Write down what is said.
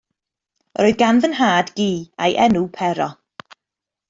Roedd gan fy nhad gi a'i enw Pero.